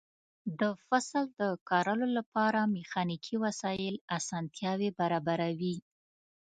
د فصل د کرلو لپاره میخانیکي وسایل اسانتیاوې برابروي.